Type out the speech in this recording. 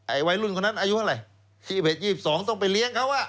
ไอ้วัยรุ่นคนนั้นอายุอะไร๒๒ต้องไปเลี้ยงเขา